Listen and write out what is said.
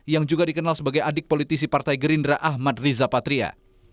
yang juga dikenal sebagai adik politisi partai gerindra ahmad riza patria